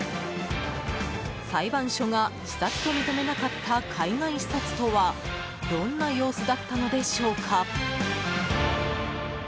裁判所が視察と認めなかった海外視察とはどんな様子だったのでしょうか。